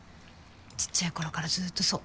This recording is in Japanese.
ちっちゃい頃からずっとそう。